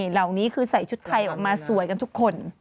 เหล่านี้คือใส่ชุดไทยออกมาสวยกันทุกคน